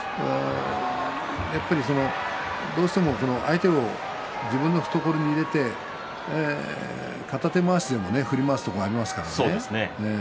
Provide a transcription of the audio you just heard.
やはり、どうしても相手を自分の懐に入れて片手でも振り回すところがありますからね。